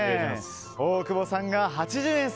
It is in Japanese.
大久保さんが８０円差。